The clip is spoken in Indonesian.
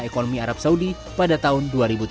ekonomi arab saudi pada tahun dua ribu tiga puluh